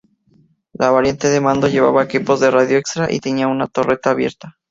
La variante de mando llevaba equipos de radio extra y tenía una torreta abierta.